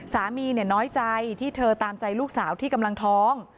สามีน้อยใจที่เธอตามใจลูกสาวที่กำลังท้อง